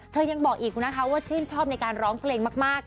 ยังบอกอีกนะคะว่าชื่นชอบในการร้องเพลงมาก